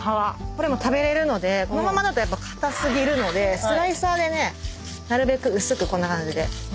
これも食べれるのでこのままだと硬過ぎるのでスライサーでねなるべく薄くこんな感じで。